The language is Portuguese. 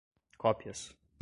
cópias